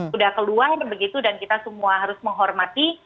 sudah keluar begitu dan kita semua harus menghormati